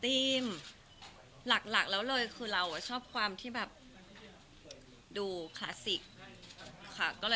หลักแล้วเลยคือเราชอบความที่แบบดูคลาสสิกค่ะ